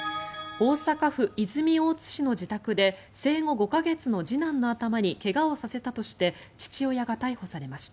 大阪府泉大津市の自宅で生後５か月の次男の頭に怪我をさせたとして父親が逮捕されました。